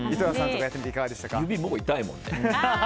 指、もう痛いもんね。